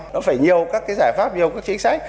nó phải nhiều các cái giải pháp nhiều các chính sách